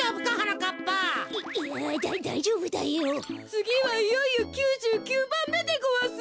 つぎはいよいよ９９ばんめでごわす。